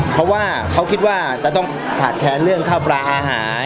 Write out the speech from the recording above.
เพราะว่าเขาคิดว่าจะต้องขาดแค้นเรื่องข้าวปลาอาหาร